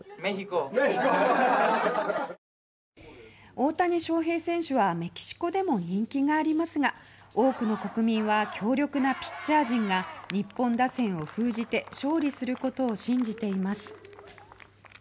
大谷翔平選手はメキシコでも人気がありますが多くの国民は強力なピッチャー陣が日本打線を封じて勝利することを信じています。